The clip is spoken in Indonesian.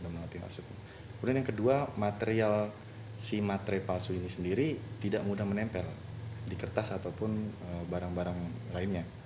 kemudian yang kedua material si matre palsu ini sendiri tidak mudah menempel di kertas ataupun barang barang lainnya